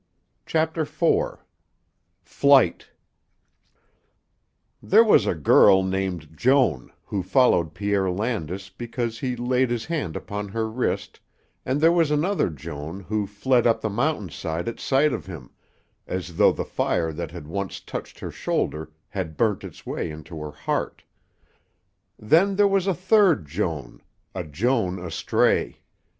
CHAPTER IV FLIGHT There was a girl named Joan who followed Pierre Landis because he laid his hand upon her wrist, and there was another Joan who fled up the mountain side at sight of him, as though the fire that had once touched her shoulder had burnt its way into her heart. Then there was a third Joan, a Joan astray.